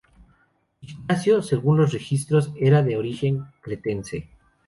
Ignacio, según los registros, era de origen cretense.